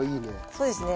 そうですね。